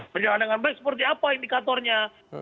berjalan dengan baik seperti apa indikatornya